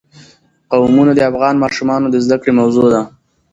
قومونه د افغان ماشومانو د زده کړې موضوع ده.